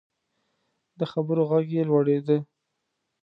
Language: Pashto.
د خبرو غږ یې لوړیده.